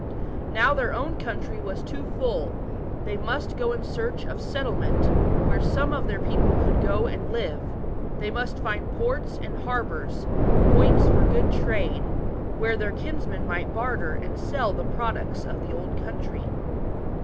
38 SAILING ON THE GREAT SEA. Now tl^ir own country was too full, they must go in search of settlement where some of t^eir people could go and live ; they must find ports and harbours, points good for trade, where their kinsmen might barter and sell the products of the old country.